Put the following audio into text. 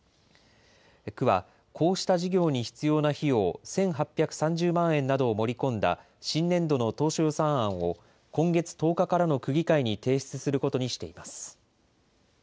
区はこうした事業に必要な費用１８３０万円などを盛り込んだ新年度の当初予算案を今月１０日からの区議会に提出することにしています。